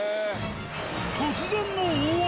突然の大雨。